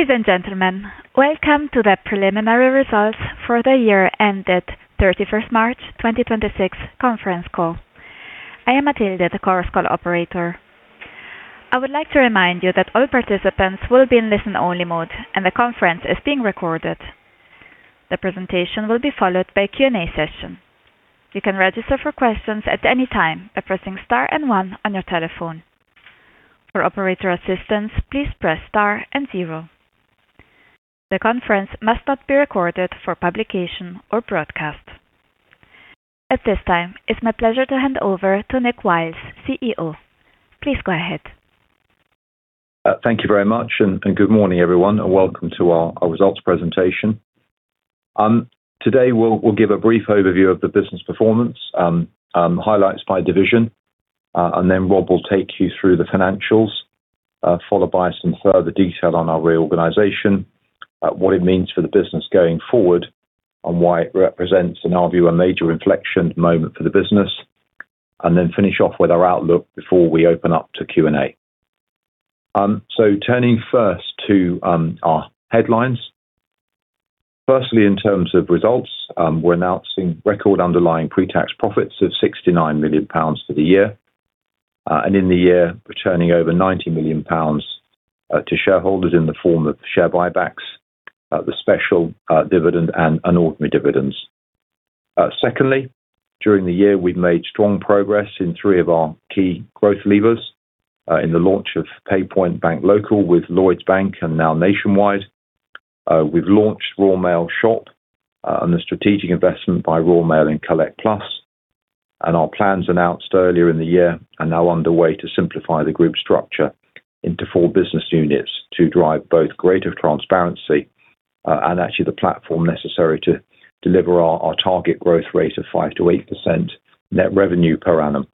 Ladies and gentlemen, welcome to the preliminary results for the year ended 31st March 2026 conference call. I am Matilde, the conference call operator. I would like to remind you that all participants will be in listen-only mode, and the conference is being recorded. The presentation will be followed by a Q&A session. You can register for questions at any time by pressing star and one on your telephone. For operator assistance, please press star and zero. The conference must not be recorded for publication or broadcast. At this time it's my pleasure to hand over to Nick Wiles, CEO. Please go ahead. Thank you very much. Good morning, everyone, and welcome to our results presentation. Today, we'll give a brief overview of the business performance, highlights by division. Rob will take you through the financials, followed by some further detail on our reorganization, what it means for the business going forward and why it represents, in our view, a major inflection moment for the business. Then finish off with our outlook before we open up to Q&A. Turning first to our headlines. Firstly, in terms of results, we're announcing record underlying pre-tax profits of 69 million pounds for the year. In the year, returning over 90 million pounds to shareholders in the form of share buybacks, the special dividend, and ordinary dividends. Secondly, during the year, we've made strong progress in three of our key growth levers, in the launch of PayPoint BankLocal with Lloyds Bank and now Nationwide. We've launched Royal Mail Shop and the strategic investment by Royal Mail in Collect+. Our plans announced earlier in the year are now underway to simplify the group structure into four business units to drive both greater transparency and actually the platform necessary to deliver our target growth rate of 5%-8% net revenue per annum.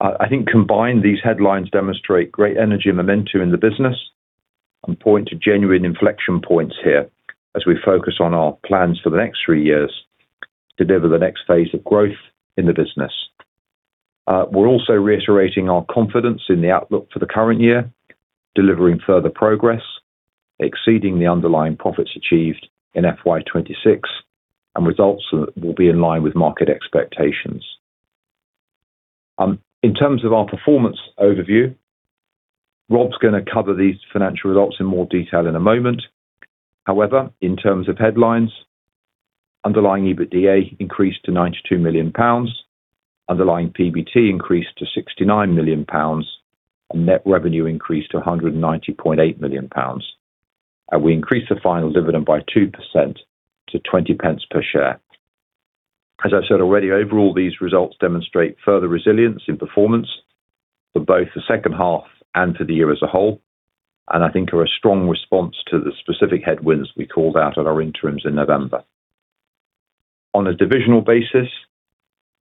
I think combined, these headlines demonstrate great energy and momentum in the business and point to genuine inflection points here as we focus on our plans for the next three years to deliver the next phase of growth in the business. We're also reiterating our confidence in the outlook for the current year, delivering further progress, exceeding the underlying profits achieved in FY 2026. Results will be in line with market expectations. In terms of our performance overview, Rob's going to cover these financial results in more detail in a moment. However, in terms of headlines, underlying EBITDA increased to 92 million pounds, underlying PBT increased to 69 million pounds. Net revenue increased to 190.8 million pounds. We increased the final dividend by 2% to 0.20 per share. As I said already, overall, these results demonstrate further resilience in performance for both the second half and for the year as a whole, and I think are a strong response to the specific headwinds we called out at our interims in November. On a divisional basis,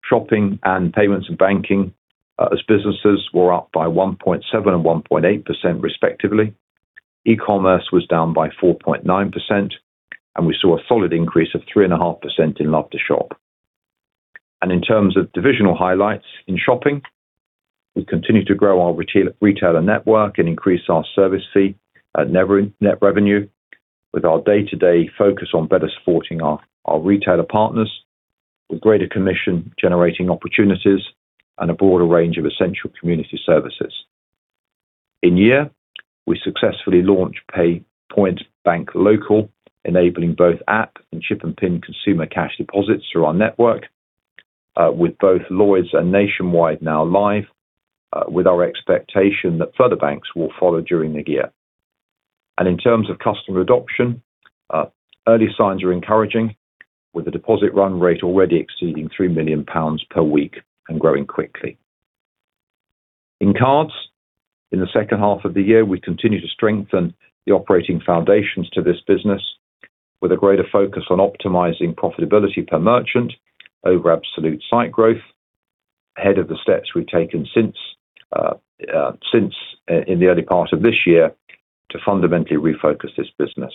shopping and payments and banking as businesses were up by 1.7% and 1.8% respectively. e-commerce was down by 4.9%, and we saw a solid increase of 3.5% in Love2shop. In terms of divisional highlights in shopping, we continue to grow our retailer network and increase our service fee net revenue with our day-to-day focus on better supporting our retailer partners with greater commission-generating opportunities and a broader range of essential community services. In year, we successfully launched PayPoint BankLocal, enabling both app and chip and PIN consumer cash deposits through our network with both Lloyds and Nationwide now live, with our expectation that further banks will follow during the year. In terms of customer adoption, early signs are encouraging, with the deposit run rate already exceeding 3 million pounds per week and growing quickly. In cards, in the second half of the year we continued to strengthen the operating foundations to this business with a greater focus on optimizing profitability per merchant over absolute site growth ahead of the steps we've taken since in the early part of this year to fundamentally refocus this business.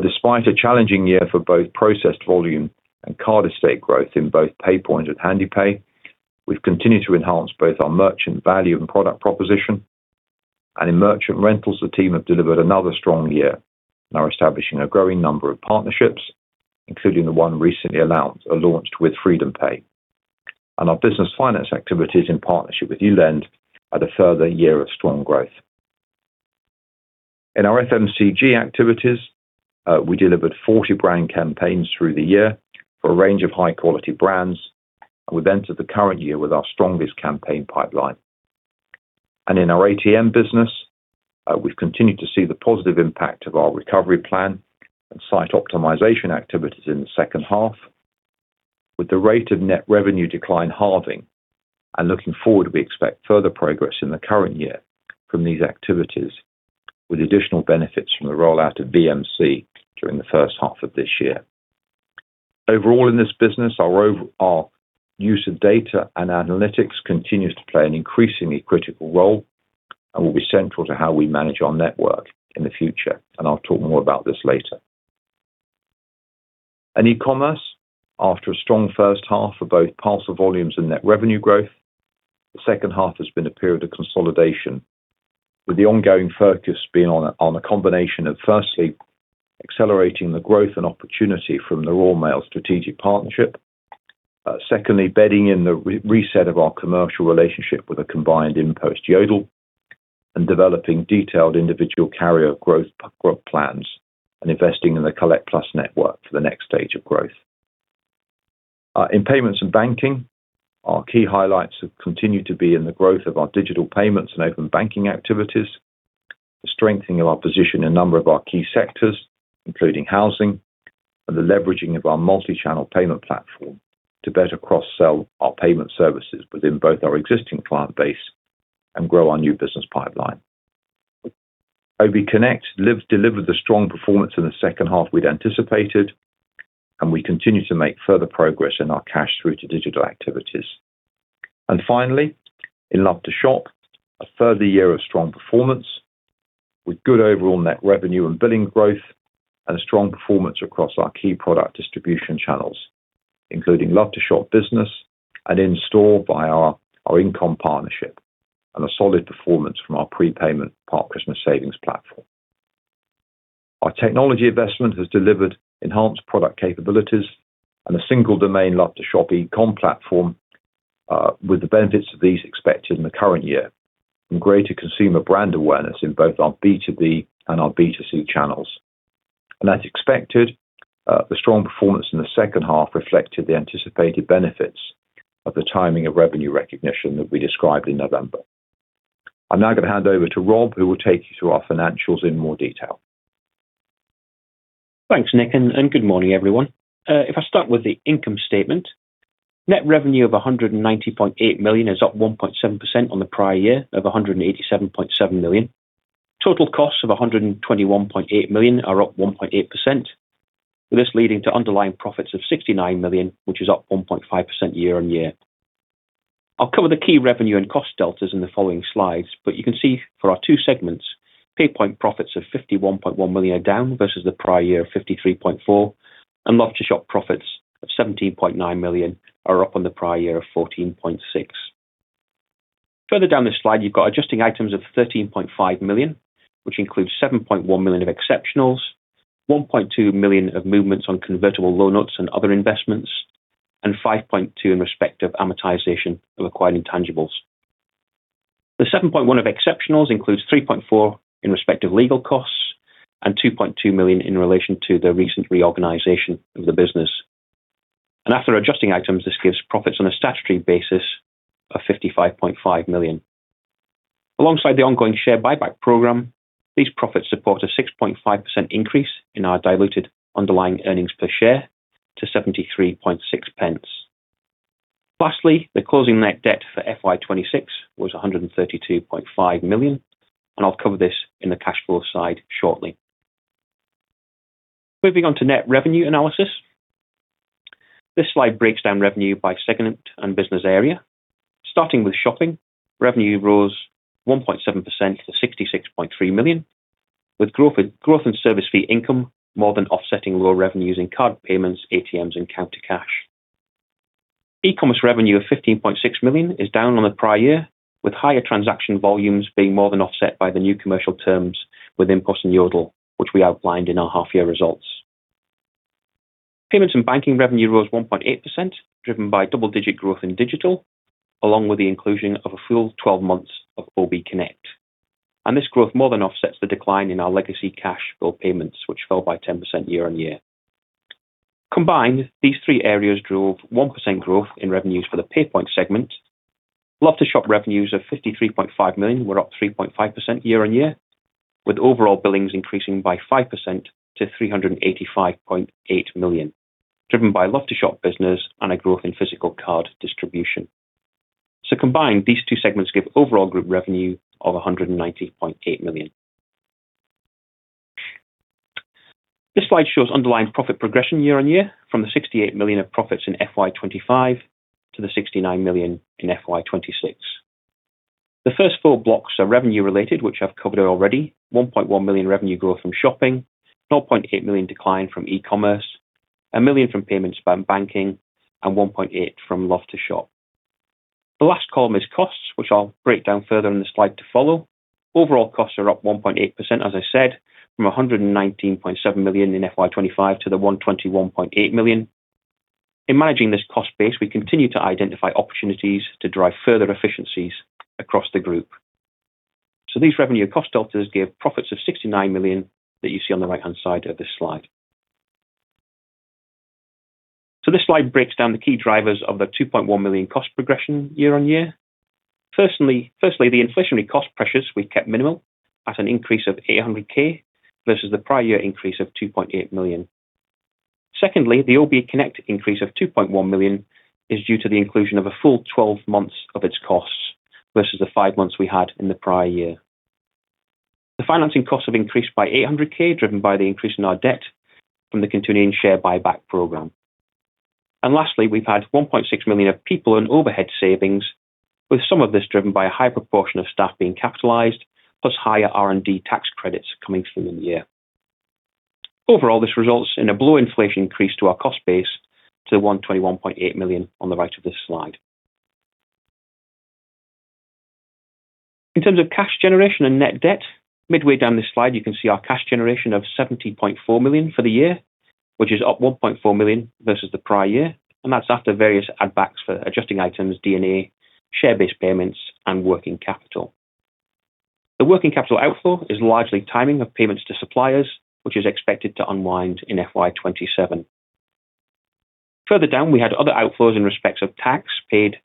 Despite a challenging year for both processed volume and card estate growth in both PayPoint and Handepay, we've continued to enhance both our merchant value and product proposition. In merchant rentals, the team have delivered another strong year and are establishing a growing number of partnerships, including the one recently announced or launched with FreedomPay. Our business finance activities in partnership with YouLend had a further year of strong growth. In our FMCG activities, we delivered 40 brand campaigns through the year for a range of high-quality brands, and we've entered the current year with our strongest campaign pipeline. In our ATM business, we've continued to see the positive impact of our recovery plan and site optimization activities in the second half. With the rate of net revenue decline halving and looking forward, we expect further progress in the current year from these activities, with additional benefits from the rollout of BMC during the first half of this year. Overall, in this business, our use of data and analytics continues to play an increasingly critical role and will be central to how we manage our network in the future and I'll talk more about this later. e-commerce, after a strong first half for both parcel volumes and net revenue growth, the second half has been a period of consolidation, with the ongoing focus being on a combination of, firstly, accelerating the growth and opportunity from the Royal Mail strategic partnership. Secondly, bedding in the reset of our commercial relationship with a combined InPost-Yodel, developing detailed individual carrier growth plans, and investing in the Collect+ network for the next stage of growth. In payments and banking, our key highlights have continued to be in the growth of our Digital Payments and Open Banking activities, the strengthening of our position in a number of our key sectors, including housing, the leveraging of our multichannel payment platform to better cross-sell our payment services within both our existing client base and grow our new business pipeline. OBConnect delivered the strong performance in the second half we'd anticipated, we continue to make further progress in our cash through to digital activities. Finally, a further year of strong performance with good overall net revenue and billing growth and a strong performance across our key product distribution channels, including Love2shop Business and in-store via our Incomm partnership, and a solid performance from our pre-payment Park Christmas Savings platform. Our technology investment has delivered enhanced product capabilities and a single domain Love2shop e-commerce platform, with the benefits of these expected in the current year, greater consumer brand awareness in both our B2B and our B2C channels. As expected, the strong performance in the second half reflected the anticipated benefits of the timing of revenue recognition that we described in November. I'm now going to hand over to Rob, who will take you through our financials in more detail. Thanks, Nick. Good morning, everyone. If I start with the income statement, net revenue of 190.8 million is up 1.7% on the prior year of 187.7 million. Total costs of 121.8 million are up 1.8%, with this leading to underlying profits of 69 million, which is up 1.5% year-on-year. I'll cover the key revenue and cost deltas in the following slides, but you can see for our two segments, PayPoint profits of 51.1 million are down versus the prior year of 53.4 million, and Love2shop profits of 17.9 million are up on the prior year of 14.6 million. Further down this slide, you've got adjusting items of 13.5 million, which includes 7.1 million of exceptionals, 1.2 million of movements on convertible loan notes and other investments, and 5.2 million in respect of amortization of acquired intangibles. The 7.1 million of exceptionals includes 3.4 million in respect of legal costs and 2.2 million in relation to the recent reorganization of the business. After adjusting items, this gives profits on a statutory basis of 55.5 million. Alongside the ongoing share buyback program, these profits support a 6.5% increase in our diluted underlying earnings per share to 0.736. Lastly, the closing net debt for FY 2026 was 132.5 million, I'll cover this in the cash flow side shortly. Moving on to net revenue analysis. This slide breaks down revenue by segment and business area. Starting with shopping, revenue rose 1.7% to 66.3 million, with growth in service fee income more than offsetting lower revenues in card payments, ATMs, and counter cash. e-commerce revenue of 15.6 million is down on the prior year, with higher transaction volumes being more than offset by the new commercial terms with InPost and Yodel, which we outlined in our half-year results. Payments and Banking revenue rose 1.8%, driven by double-digit growth in Digital, along with the inclusion of a full 12 months of OBConnect. This growth more than offsets the decline in our legacy cash flow payments, which fell by 10% year-on-year. Combined, these three areas drove 1% growth in revenues for the PayPoint segment. Love2shop revenues of 53.5 million were up 3.5% year-on-year, with overall billings increasing by 5% to 385.8 million, driven by Love2shop Business and a growth in physical card distribution. Combined, these two segments give overall group revenue of 190.8 million. This slide shows underlying profit progression year-on-year from the 68 million of profits in FY 2025 to the 69 million in FY 2026. The first four blocks are revenue related, which I have covered already. 1.1 million revenue growth from shopping, 0.8 million decline from e-commerce, 1 million from Payments and Banking, and 1.8 from Love2shop. The last column is costs, which I will break down further in the slide to follow. Overall costs are up 1.8%, as I said, from 119.7 million in FY 2025 to the 121.8 million. In managing this cost base, we continue to identify opportunities to drive further efficiencies across the group. These revenue cost deltas give profits of 69 million that you see on the right-hand side of this slide. This slide breaks down the key drivers of the 2.1 million cost progression year-on-year. Firstly, the inflationary cost pressures we kept minimal at an increase of 800K versus the prior year increase of 2.8 million. Secondly, the OBConnect increase of 2.1 million is due to the inclusion of a full 12 months of its costs versus the five months we had in the prior year. The financing costs have increased by 800K, driven by the increase in our debt from the continuing share buyback program. Lastly, we have had 1.6 million of people and overhead savings, with some of this driven by a high proportion of staff being capitalized, plus higher R&D tax credits coming through in the year. Overall, this results in a below inflation increase to our cost base to 121.8 million on the right of this slide. In terms of cash generation and net debt, midway down this slide, you can see our cash generation of 17.4 million for the year, which is up 1.4 million versus the prior year, and that is after various add backs for adjusting items, D&A, share-based payments, and working capital. The working capital outflow is largely timing of payments to suppliers, which is expected to unwind in FY 2027. Further down, we had other outflows in respect of tax paid,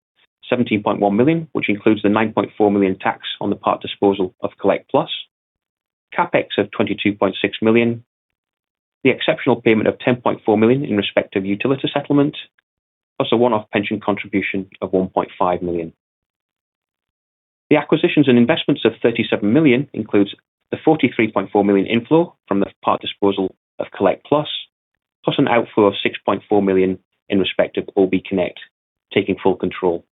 17.1 million, which includes the 9.4 million tax on the part disposal of Collect+, CapEx of 22.6 million, the exceptional payment of 10.4 million in respect of Utilita settlement, plus a one-off pension contribution of 1.5 million. The acquisitions and investments of 37 million includes the 43.4 million inflow from the part disposal of Collect+, plus an outflow of 6.4 million in respect of OBConnect taking full control.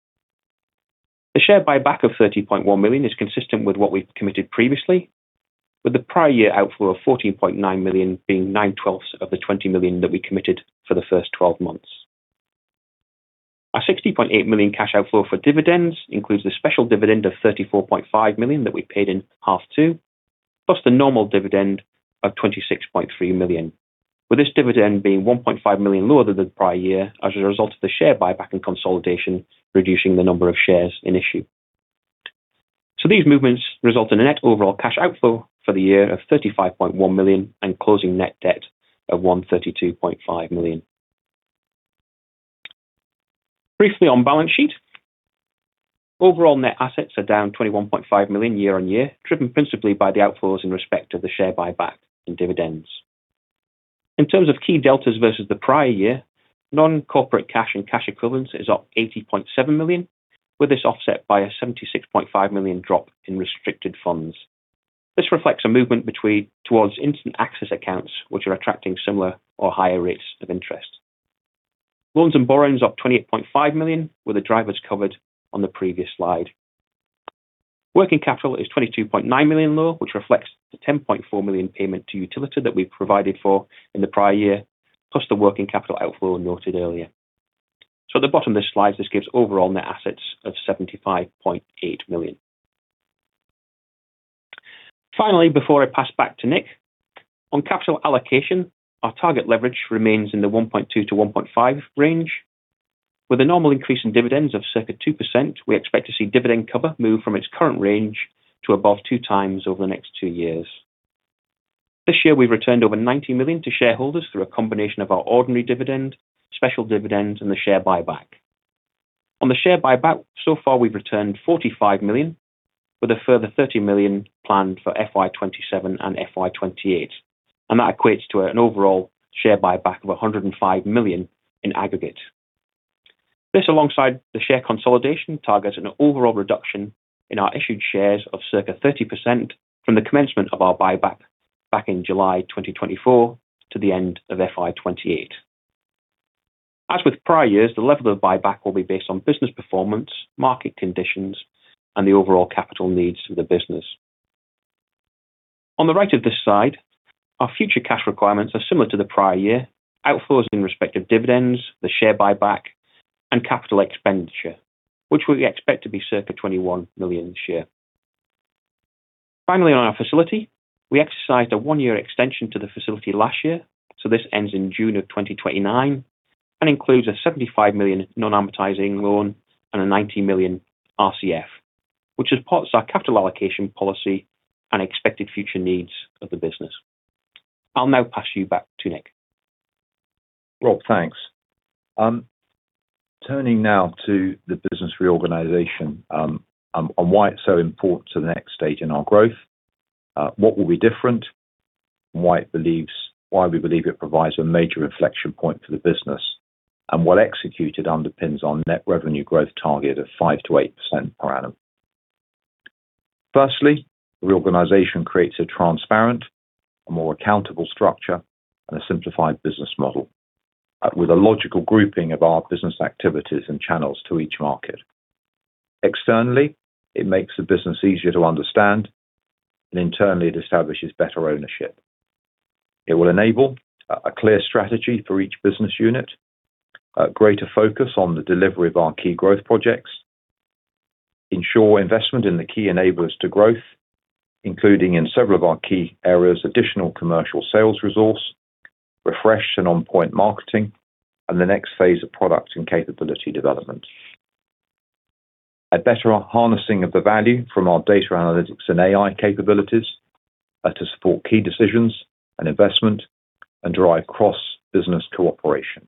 The share buyback of 30.1 million is consistent with what we've committed previously with the prior year outflow of 14.9 million being nine-twelfths of the 20 million that we committed for the first 12 months. Our 60.8 million cash outflow for dividends includes the special dividend of 34.5 million that we paid in half two, plus the normal dividend of 26.3 million, with this dividend being 1.5 million lower than the prior year as a result of the share buyback and consolidation reducing the number of shares in issue. These movements result in a net overall cash outflow for the year of 35.1 million and closing net debt of 132.5 million. Briefly on balance sheet, overall net assets are down 21.5 million year-on-year, driven principally by the outflows in respect of the share buyback and dividends. In terms of key deltas versus the prior year, non-corporate cash and cash equivalents is up 80.7 million, with this offset by a 76.5 million drop in restricted funds. This reflects a movement towards instant access accounts which are attracting similar or higher rates of interest. Loans and borrowings up 28.5 million were the drivers covered on the previous slide. Working capital is 22.9 million low, which reflects the 10.4 million payment to Utilita that we provided for in the prior year, plus the working capital outflow noted earlier. At the bottom of this slide, this gives overall net assets of 75.8 million. Finally, before I pass back to Nick, on capital allocation, our target leverage remains in the 1.2-1.5 range. With a normal increase in dividends of circa 2%, we expect to see dividend cover move from its current range to above two times over the next two years. This year, we've returned over 90 million to shareholders through a combination of our ordinary dividend, special dividends, and the share buyback. On the share buyback, so far, we've returned 45 million with a further 30 million planned for FY 2027 and FY 2028, and that equates to an overall share buyback of 105 million in aggregate. This, alongside the share consolidation, targets an overall reduction in our issued shares of circa 30% from the commencement of our buyback back in July 2024 to the end of FY 2028. As with prior years, the level of buyback will be based on business performance, market conditions, and the overall capital needs of the business. On the right of this slide, our future cash requirements are similar to the prior year. Outflows in respect of dividends, the share buyback, and capital expenditure, which we expect to be circa 21 million this year. Finally, on our facility, we exercised a one-year extension to the facility last year, so this ends in June of 2029 and includes a 75 million non-amortizing loan and a 90 million RCF, which supports our capital allocation policy and expected future needs of the business. I'll now pass you back to Nick. Rob, thanks. Turning now to the business reorganization, and why it's so important to the next stage in our growth. What will be different, and why we believe it provides a major inflection point for the business, and well executed underpins our net revenue growth target of 5%-8% per annum. Firstly, reorganization creates a transparent, a more accountable structure, and a simplified business model with a logical grouping of our business activities and channels to each market. Externally, it makes the business easier to understand, and internally, it establishes better ownership. It will enable a clear strategy for each business unit, a greater focus on the delivery of our key growth projects, ensure investment in the key enablers to growth, including in several of our key areas, additional commercial sales resource, refresh and on-point marketing, and the next phase of product and capability development. A better harnessing of the value from our data analytics and AI capabilities to support key decisions and investment and drive cross-business cooperation.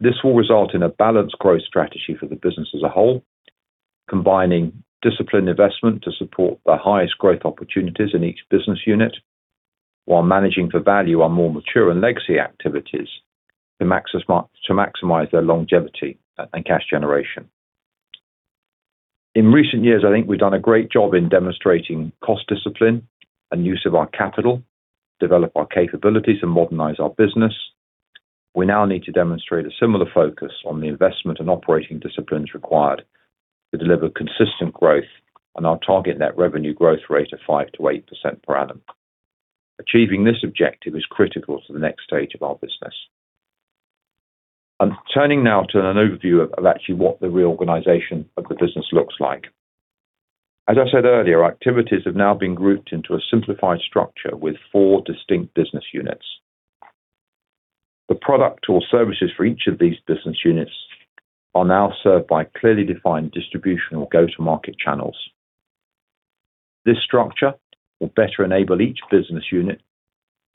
This will result in a balanced growth strategy for the business as a whole, combining disciplined investment to support the highest growth opportunities in each business unit, while managing for value on more mature and legacy activities to maximize their longevity and cash generation. In recent years, I think we've done a great job in demonstrating cost discipline and use of our capital, develop our capabilities, and modernize our business. We now need to demonstrate a similar focus on the investment and operating disciplines required to deliver consistent growth on our target net revenue growth rate of 5%-8% per annum. Achieving this objective is critical to the next stage of our business. I'm turning now to an overview of actually what the reorganization of the business looks like. As I said earlier, activities have now been grouped into a simplified structure with four distinct business units. The product or services for each of these business units are now served by clearly defined distribution or go-to-market channels. This structure will better enable each business unit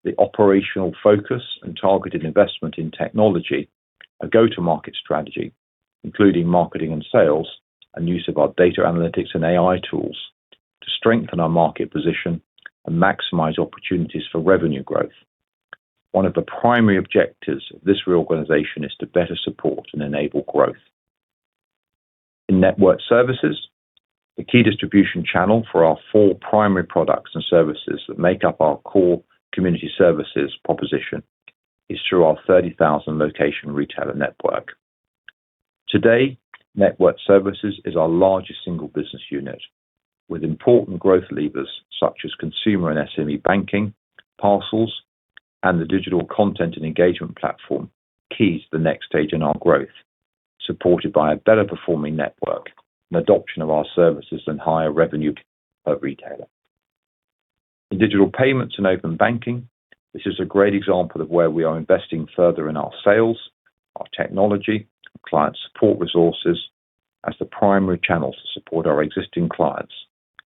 the operational focus and targeted investment in technology, a go-to-market strategy, including marketing and sales, and use of our data analytics and AI tools to strengthen our market position and maximize opportunities for revenue growth. One of the primary objectives of this reorganization is to better support and enable growth. In Network Services, the key distribution channel for our four primary products and services that make up our core community services proposition is through our 30,000-location retailer network. Today, Network Services is our largest single business unit with important growth levers such as consumer and SME banking, parcels, and the digital content and engagement platform, keys to the next stage in our growth, supported by a better-performing network, and adoption of our services and higher revenue per retailer. In Digital Payments and Open Banking, this is a great example of where we are investing further in our sales, our technology, client support resources as the primary channels to support our existing clients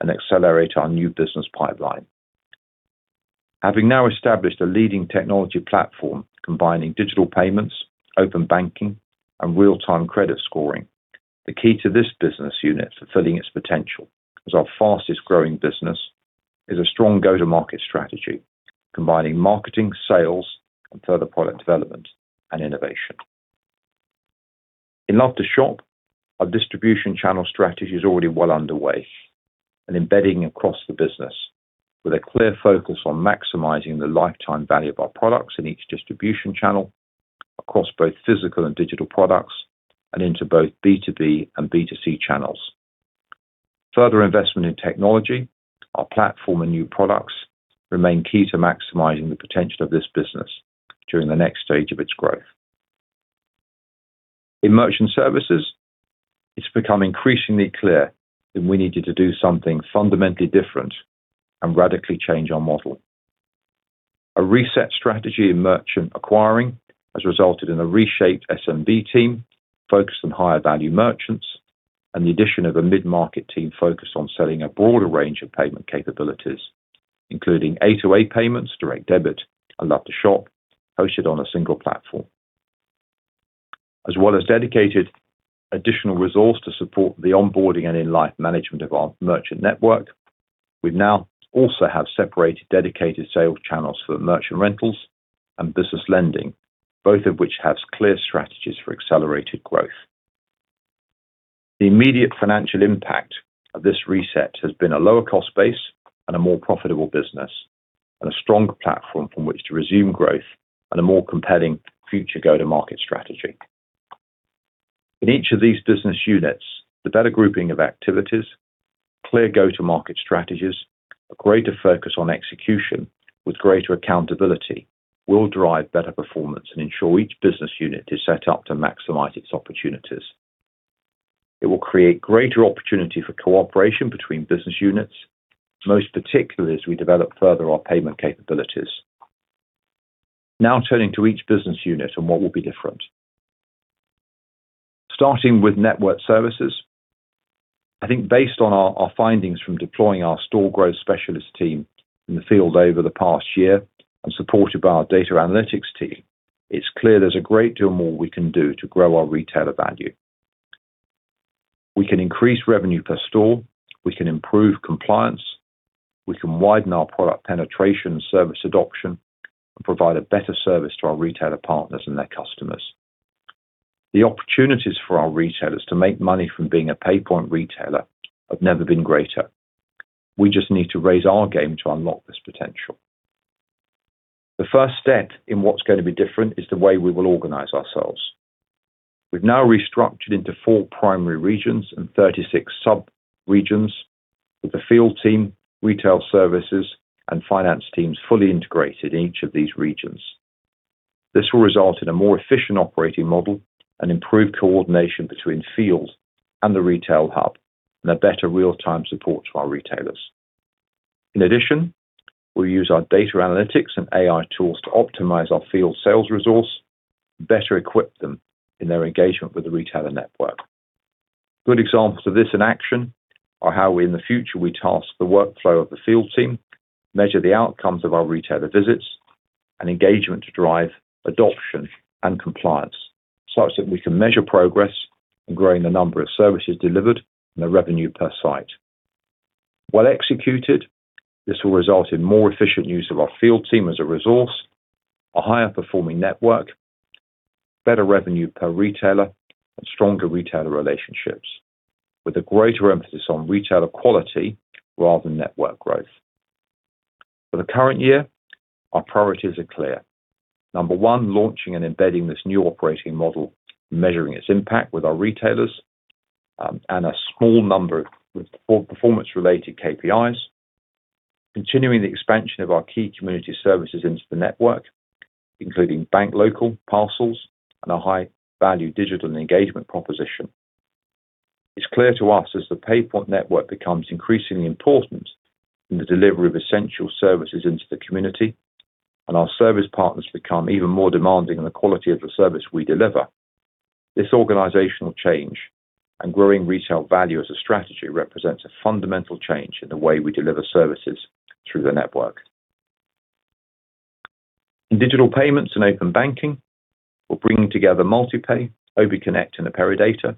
and accelerate our new business pipeline. Having now established a leading technology platform combining digital payments, open banking, and real-time credit scoring, the key to this business unit fulfilling its potential as our fastest-growing business is a strong go-to-market strategy, combining marketing, sales, and further product development and innovation. In Love2shop, our distribution channel strategy is already well underway and embedding across the business with a clear focus on maximizing the lifetime value of our products in each distribution channel across both physical and digital products and into both B2B and B2C channels. Further investment in technology, our platform, and new products remain key to maximizing the potential of this business during the next stage of its growth. In Merchant Services, it's become increasingly clear that we needed to do something fundamentally different and radically change our model. A reset strategy in merchant acquiring has resulted in a reshaped SMB team focused on higher-value merchants and the addition of a mid-market team focused on selling a broader range of payment capabilities, including A2A payments, direct debit and Love2shop hosted on a single platform. As well as dedicated additional resource to support the onboarding and in-life management of our merchant network, we now also have separated dedicated sales channels for the merchant rentals and business lending, both of which have clear strategies for accelerated growth. The immediate financial impact of this reset has been a lower cost base and a more profitable business, and a stronger platform from which to resume growth and a more compelling future go-to-market strategy. In each of these business units, the better grouping of activities, clear go-to-market strategies, a greater focus on execution with greater accountability will drive better performance and ensure each business unit is set up to maximize its opportunities. It will create greater opportunity for cooperation between business units, most particularly as we develop further our payment capabilities. Turning to each business unit and what will be different. Starting with Network Services, I think based on our findings from deploying our store growth specialist team in the field over the past year and supported by our data analytics team, it's clear there's a great deal more we can do to grow our retailer value. We can increase revenue per store, we can improve compliance, we can widen our product penetration and service adoption, and provide a better service to our retailer partners and their customers. The opportunities for our retailers to make money from being a PayPoint retailer have never been greater. We just need to raise our game to unlock this potential. The first step in what's going to be different is the way we will organize ourselves. We've now restructured into four primary regions and 36 sub-regions with the field team, retail services and finance teams fully integrated in each of these regions. This will result in a more efficient operating model and improved coordination between field and the retail hub, and a better real-time support to our retailers. In addition, we'll use our data analytics and AI tools to optimize our field sales resource, better equip them in their engagement with the retailer network. Good examples of this in action are how in the future we task the workflow of the field team, measure the outcomes of our retailer visits and engagement to drive adoption and compliance, such that we can measure progress in growing the number of services delivered and the revenue per site. Well executed. This will result in more efficient use of our field team as a resource, a higher performing network, better revenue per retailer, and stronger retailer relationships with a greater emphasis on retailer quality rather than network growth. For the current year, our priorities are clear. Number one, launching and embedding this new operating model, measuring its impact with our retailers, and a small number with performance-related KPIs. Continuing the expansion of our key community services into the network, including PayPoint BankLocal, parcels, and a high-value digital engagement proposition. It is clear to us as the PayPoint network becomes increasingly important in the delivery of essential services into the community and our service partners become even more demanding in the quality of the service we deliver. This organizational change and growing retail value as a strategy represents a fundamental change in the way we deliver services through the network. In Digital Payments and Open Banking, we are bringing together MultiPay, OBConnect, and AperiData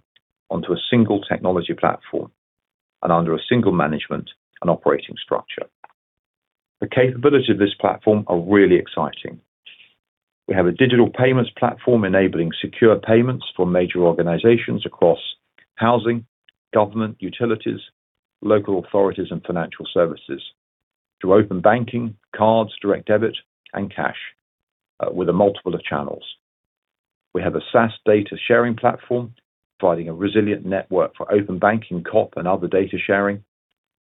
onto a single technology platform and under a single management and operating structure. The capability of this platform are really exciting. We have a digital payments platform enabling secure payments for major organizations across housing, government, utilities, local authorities, and financial services through open banking, cards, direct debit, and cash with a multiple of channels. We have a SaaS data sharing platform providing a resilient network for open banking, COP, and other data sharing,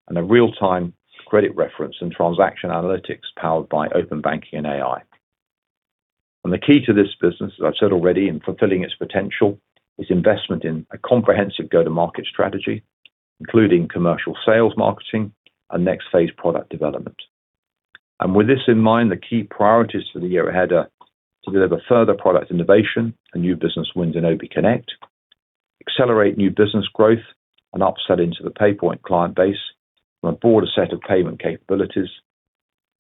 and a real-time credit reference and transaction analytics powered by open banking and AI. The key to this business, as I have said already, in fulfilling its potential is investment in a comprehensive go-to-market strategy, including commercial sales marketing and next phase product development. With this in mind, the key priorities for the year ahead are to deliver further product innovation and new business wins in OBConnect, accelerate new business growth and upsell into the PayPoint client base from a broader set of payment capabilities,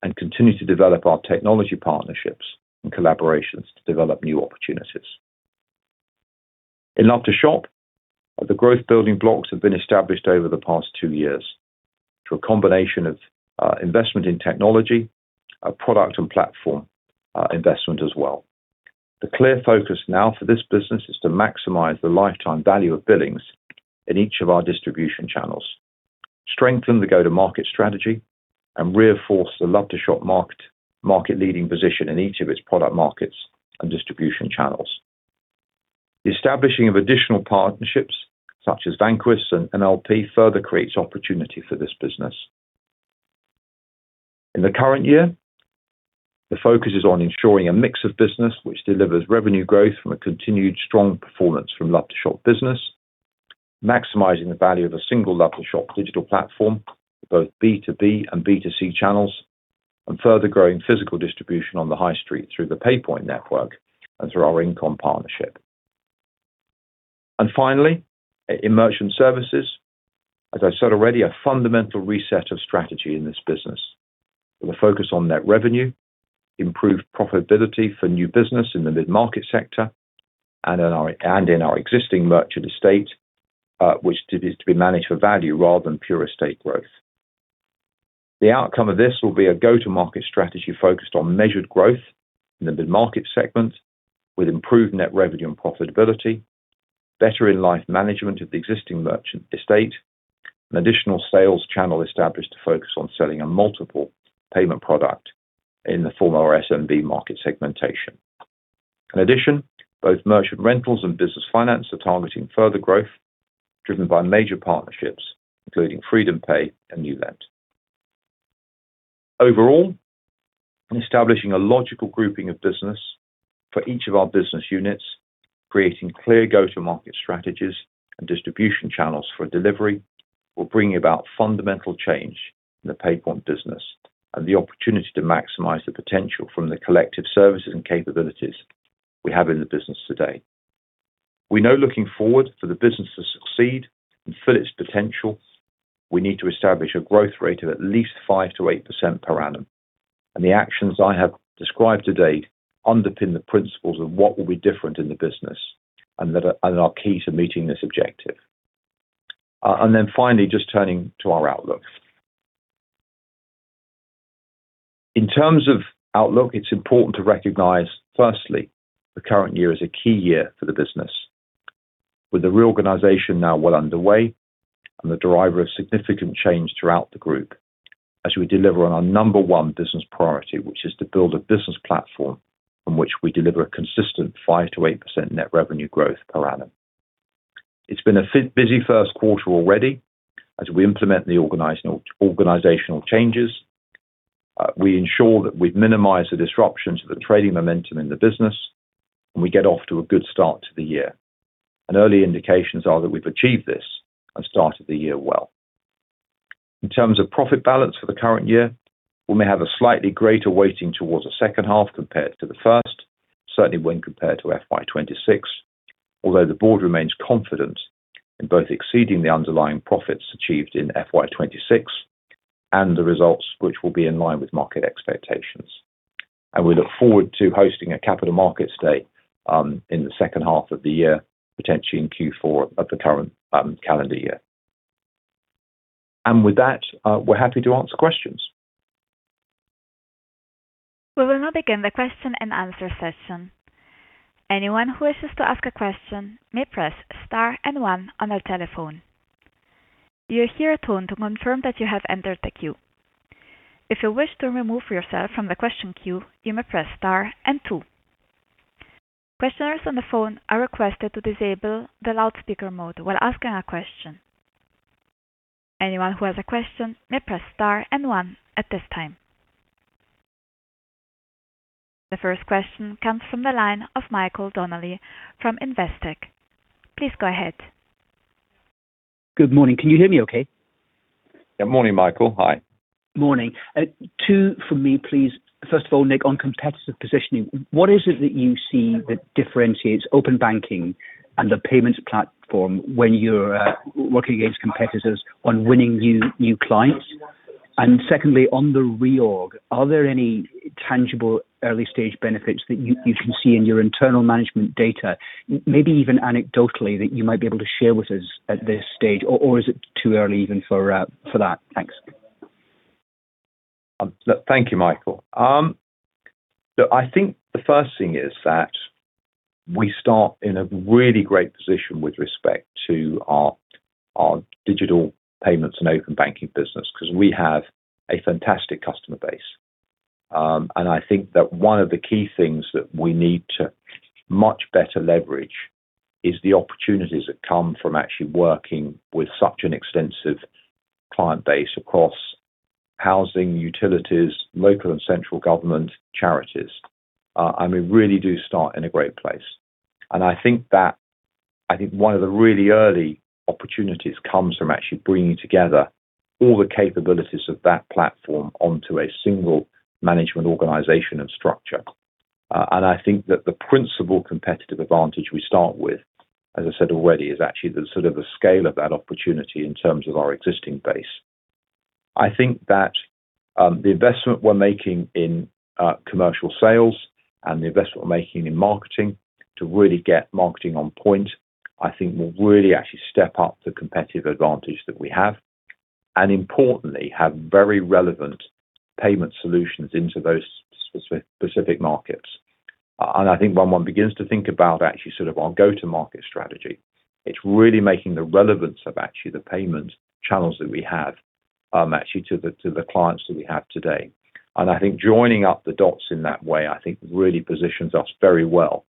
and continue to develop our technology partnerships and collaborations to develop new opportunities. In Love2shop, the growth building blocks have been established over the past two years through a combination of investment in technology, product, and platform investment as well. The clear focus now for this business is to maximize the lifetime value of billings in each of our distribution channels, strengthen the go-to-market strategy, and reinforce the Love2shop market-leading position in each of its product markets and distribution channels. The establishing of additional partnerships such as Vanquis and NLP further creates opportunity for this business. In the current year, the focus is on ensuring a mix of business which delivers revenue growth from a continued strong performance from Love2shop Business, maximizing the value of a single Love2shop digital platform for both B2B and B2C channels, and further growing physical distribution on the high street through the PayPoint network and through our Incomm partnership. Finally, in Merchant Services, as I said already, a fundamental reset of strategy in this business with a focus on net revenue, improved profitability for new business in the mid-market sector and in our existing merchant estate, which is to be managed for value rather than pure estate growth. The outcome of this will be a go-to-market strategy focused on measured growth in the mid-market segment with improved net revenue and profitability, better in-life management of the existing merchant estate, an additional sales channel established to focus on selling a MultiPay product in the former SMB market segmentation. In addition, both merchant rentals and business finance are targeting further growth driven by major partnerships including FreedomPay and NewLend. Overall, in establishing a logical grouping of business for each of our business units, creating clear go-to-market strategies and distribution channels for delivery will bring about fundamental change in the PayPoint business and the opportunity to maximize the potential from the collective services and capabilities we have in the business today. We know looking forward for the business to succeed and fulfill its potential, we need to establish a growth rate of at least 5%-8% per annum, the actions I have described to date underpin the principles of what will be different in the business and are key to meeting this objective. Finally, just turning to our outlook. In terms of outlook, it's important to recognize, firstly, the current year is a key year for the business with the reorganization now well underway and the driver of significant change throughout the group as we deliver on our number one business priority, which is to build a business platform from which we deliver a consistent 5%-8% net revenue growth per annum. It's been a busy first quarter already. As we implement the organizational changes, we ensure that we've minimized the disruption to the trading momentum in the business, and we get off to a good start to the year. Early indications are that we've achieved this and started the year well. In terms of profit balance for the current year, we may have a slightly greater weighting towards the second half compared to the first, certainly when compared to FY 2026. Although the board remains confident in both exceeding the underlying profits achieved in FY 2026 and the results which will be in line with market expectations. We look forward to hosting a capital markets day in the second half of the year, potentially in Q4 of the current calendar year. With that, we're happy to answer questions. We will now begin the question and answer session. Anyone who wishes to ask a question may press star and one on their telephone. You'll hear a tone to confirm that you have entered the queue. If you wish to remove yourself from the question queue, you may press star and two. Questioners on the phone are requested to disable the loudspeaker mode while asking a question. Anyone who has a question may press star and one at this time. The first question comes from the line of Michael Donnelly from Investec. Please go ahead. Good morning. Can you hear me okay? Yeah. Morning, Michael. Hi. Morning. Two from me please. First of all, Nick, on competitive positioning, what is it that you see that differentiates open banking and the payments platform when you're working against competitors on winning new clients? Secondly, on the reorg, are there any tangible early-stage benefits that you can see in your internal management data, maybe even anecdotally, that you might be able to share with us at this stage? Is it too early even for that? Thanks. Thank you, Michael. I think the first thing is that we start in a really great position with respect to our Digital Payments and Open Banking business because we have a fantastic customer base. I think that one of the key things that we need to much better leverage is the opportunities that come from actually working with such an extensive client base across housing, utilities, local and central government, charities. We really do start in a great place. I think one of the really early opportunities comes from actually bringing together all the capabilities of that platform onto a single management organization and structure. I think that the principal competitive advantage we start with, as I said already, is actually the sort of scale of that opportunity in terms of our existing base. I think that the investment we're making in commercial sales and the investment we're making in marketing to really get marketing on point, I think will really actually step up the competitive advantage that we have, and importantly, have very relevant payment solutions into those specific markets. I think when one begins to think about actually sort of our go-to-market strategy, it's really making the relevance of actually the payment channels that we have, actually to the clients that we have today. I think joining up the dots in that way, I think really positions us very well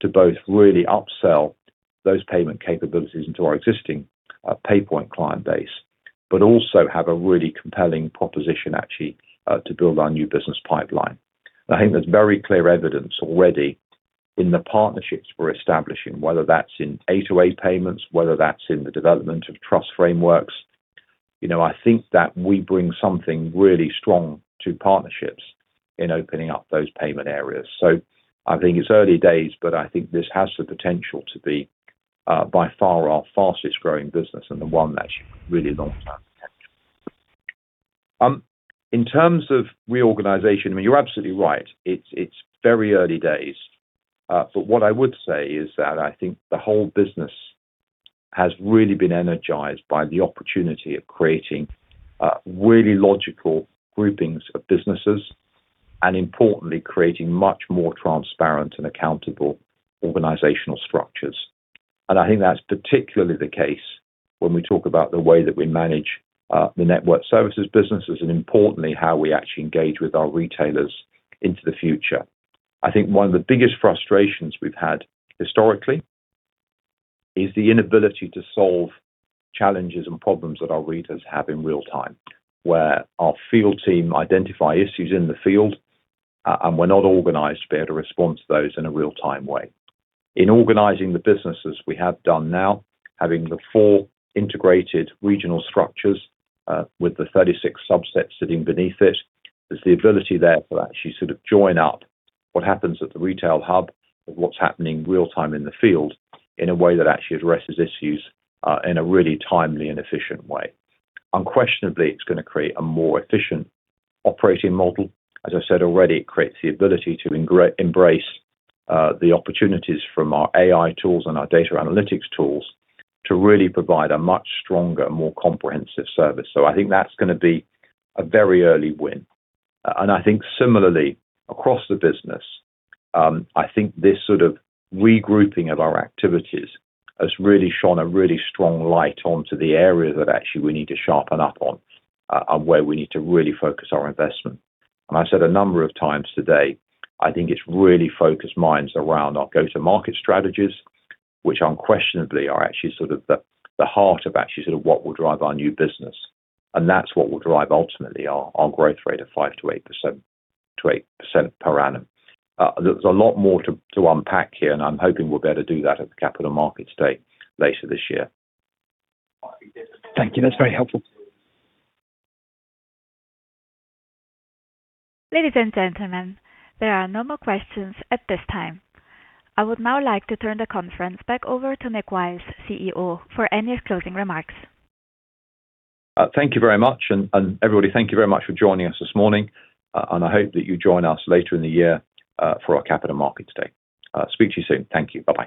to both really upsell those payment capabilities into our existing PayPoint client base, but also have a really compelling proposition actually to build our new business pipeline. I think there's very clear evidence already in the partnerships we're establishing, whether that's in A2A payments, whether that's in the development of trust frameworks. I think that we bring something really strong to partnerships in opening up those payment areas. I think it's early days, but I think this has the potential to be by far our fastest-growing business and the one that really long-term potential. In terms of reorganization, I mean, you're absolutely right. It's very early days. What I would say is that I think the whole business has really been energized by the opportunity of creating really logical groupings of businesses, and importantly, creating much more transparent and accountable organizational structures. I think that's particularly the case when we talk about the way that we manage the Network Services businesses, and importantly, how we actually engage with our retailers into the future. I think one of the biggest frustrations we've had historically is the inability to solve challenges and problems that our retailers have in real time, where our field team identify issues in the field, and we're not organized to be able to respond to those in a real-time way. In organizing the businesses we have done now, having the four integrated regional structures, with the 36 subsets sitting beneath it, there's the ability there for actually sort of join up what happens at the retail hub with what's happening real time in the field in a way that actually addresses issues in a really timely and efficient way. Unquestionably, it's going to create a more efficient operating model. As I said already, it creates the ability to embrace the opportunities from our AI tools and our data analytics tools to really provide a much stronger, more comprehensive service. I think that's going to be a very early win. I think similarly across the business, I think this sort of regrouping of our activities has really shone a really strong light onto the area that actually we need to sharpen up on, and where we need to really focus our investment. I've said a number of times today, I think it's really focused minds around our go-to-market strategies, which unquestionably are actually sort of the heart of actually sort of what will drive our new business. That's what will drive ultimately our growth rate of 5% to 8% per annum. There's a lot more to unpack here, and I'm hoping we'll be able to do that at the capital markets day later this year. Thank you. That's very helpful. Ladies and gentlemen, there are no more questions at this time. I would now like to turn the conference back over to Nick Wiles, CEO, for any closing remarks. Thank you very much. Everybody, thank you very much for joining us this morning, and I hope that you join us later in the year for our capital markets day. Speak to you soon. Thank you. Bye-bye.